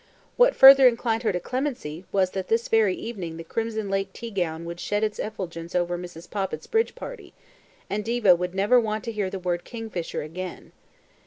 What further inclined her to clemency, was that this very evening the crimson lake tea gown would shed its effulgence over Mrs. Poppit's bridge party, and Diva would never want to hear the word "kingfisher" again.